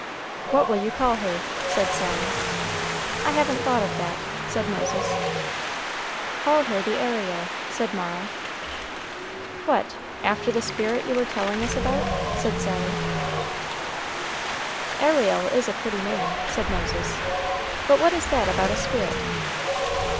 "What will you call her?" said Sally. "I haven't thought of that," said Moses. "Call her the Ariel," said Mara. "What! after the spirit you were telling us about?" said Sally. "Ariel is a pretty name," said Moses. "But what is that about a spirit?"